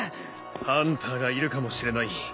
ハンターがいるかもしれない。